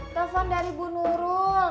telepon dari bu nurul